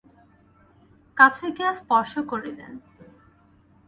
কাছে গিয়া স্পর্শ করিলেন।